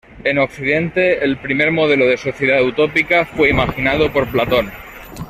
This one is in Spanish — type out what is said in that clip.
En Occidente, el primer modelo de sociedad utópica fue imaginado por Platón.